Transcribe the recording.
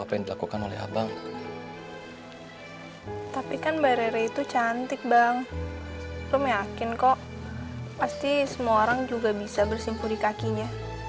cantik bang aku yakin kok pasti semua orang juga bisa bersimpu di kakinya